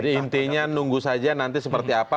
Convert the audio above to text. jadi intinya nunggu saja nanti seperti apa